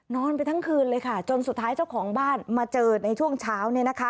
นอนไปทั้งคืนเลยค่ะจนสุดท้ายเจ้าของบ้านมาเจอในช่วงเช้า